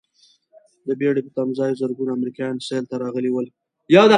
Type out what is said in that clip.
د بېړۍ په تمځاې زرګونه امریکایان سیل ته راغلي ول.